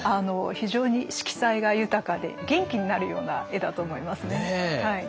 非常に色彩が豊かで元気になるような絵だと思いますね。